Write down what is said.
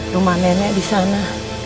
rumah nenek di sana